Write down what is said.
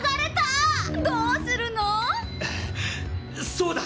そうだ！